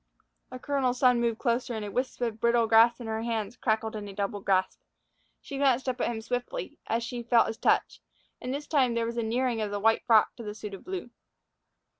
The colonel's son moved closer, and a wisp of brittle grass in her hands crackled in a double grasp. She glanced up at him swiftly, as she felt his touch, and this time there was a nearing of the white frock to the suit of blue.